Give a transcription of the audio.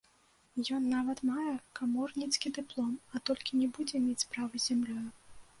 Ён нават мае каморніцкі дыплом, а толькі не будзе мець справы з зямлёю.